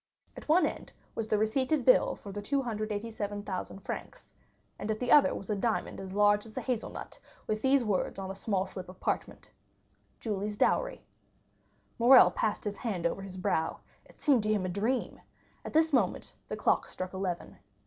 At one end was the receipted bill for the 287,000 francs, and at the other was a diamond as large as a hazel nut, with these words on a small slip of parchment: Julie's Dowry. Morrel passed his hand over his brow; it seemed to him a dream. At this moment the clock struck eleven.